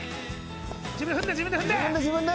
自分で踏んで自分で踏んで。